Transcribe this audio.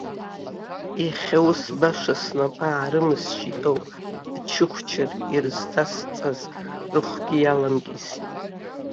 Иахьа, ус баша, снапы аарымысшьит ауп, ачыхәчар ирызҭасҵаз рыхәгьы иаламкьысит.